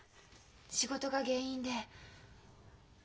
仕事が原因で？